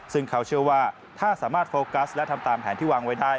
ซึ่งเขาเชื่อว่าถ้าสามารถโฟกัสและทำตามแผนที่วางไว้ได้